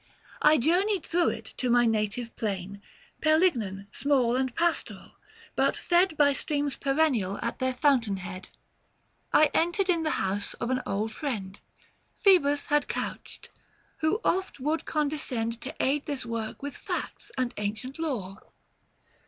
I journeyed through it to my native plain Pelignan, small and pastoral, but fed By streams perennial at their fountain head. 790 I entered in the house of an old friend — Phoebus had couched — who oft would condescend To aid this work with facts and ancient lore.